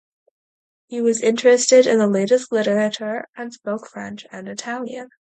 He was interested in the latest literature and spoke French and Italian.